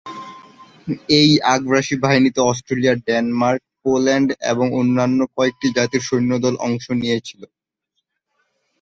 এই আগ্রাসী বাহিনীতে অস্ট্রেলিয়া, ডেনমার্ক, পোল্যান্ড এবং অন্যান্য কয়েকটি জাতির সৈন্যদল অংশ নিয়েছিল।